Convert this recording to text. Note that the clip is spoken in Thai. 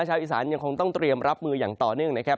ชาวอีสานยังคงต้องเตรียมรับมืออย่างต่อเนื่องนะครับ